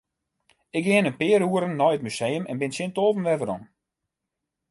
Ik gean in pear oeren nei it museum en bin tsjin tolven wer werom.